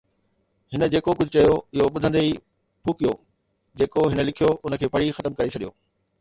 هن جيڪو ڪجهه چيو، اهو ٻڌندي ئي ڦوڪيو، جيڪو هن لکيو، ان کي پڙهي ختم ڪري ڇڏيو.